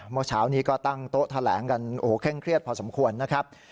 เมื่อเช้านี้ก็ตั้งโต๊ะแถลงกันโอ้โหเคร่งเครียดพอสมควรนะครับ